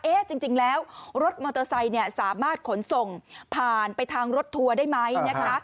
เอ๊ะจริงแล้วรถมอเตอร์ไซค์สามารถขนส่งผ่านไปทางรถทัวร์ได้ไหม